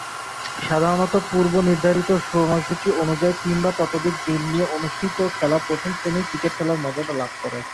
সাধারণতঃ পূর্ব নির্ধারিত সময়সূচী অনুযায়ী তিন বা ততোধিক দিন নিয়ে অনুষ্ঠিত খেলা প্রথম-শ্রেণীর ক্রিকেট খেলার মর্যাদা লাভ করে।